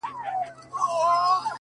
• له یوه کلي تر بل به ساعتونه ,